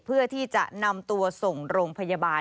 เพื่อที่จะนำตัวส่งโรงพยาบาล